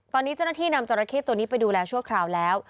ตอนนี้เจ้าหน้าที่นำจราเข้ตัวนี้ไปดูแลชั่วคราวแล้ว